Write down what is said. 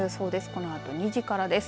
このあと２時からです。